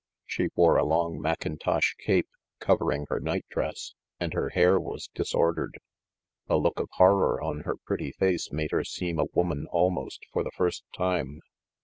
She wore a long mackintosh cape, covering her night dress, and her hair was disordered. A look of horror on her pretty face made her seem a woman almost for the first time.